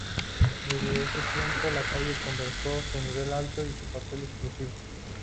Desde ese tiempo la calle conservó su nivel alto y un papel exclusivo.